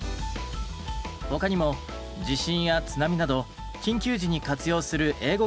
他にも地震や津波など緊急時に活用する英語原稿を用意。